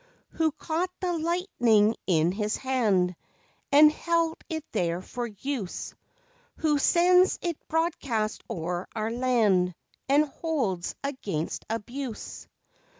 Who caught the lightning in his hand, And held it there for use, Who sends it broadcast o'er our land, And holds against abuse?